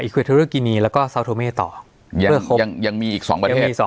สวัสดีครับทุกผู้ชม